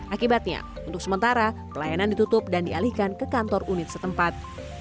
akibatnya untuk sementara pelayanan ditutup dan dialihkan ke kantor unit setempat